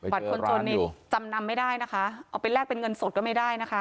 คนจนนี่จำนำไม่ได้นะคะเอาไปแลกเป็นเงินสดก็ไม่ได้นะคะ